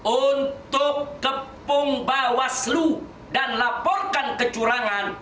untuk kepung bawah selu dan laporkan kecurangan